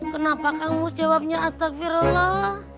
kenapa kamu jawabnya astagfirullah